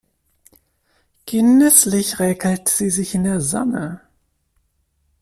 Genüsslich räkelt sie sich in der Sonne.